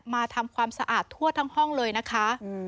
มาทำความสะอาดทั่วทั้งห้องเลยนะคะ